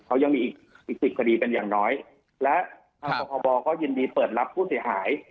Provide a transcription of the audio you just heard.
เขายังมีอีกอีกสิบคดีเป็นอย่างน้อยและทางสพบก็ยินดีเปิดรับผู้เสียหาย